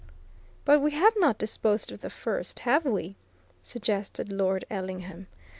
"But we have not disposed of the first, have we?" suggested Lord Ellingham.